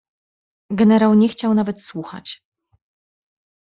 "Generał jednak nie chciał nawet słuchać!"